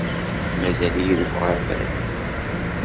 Mazal-iyi deg uɣerbaz.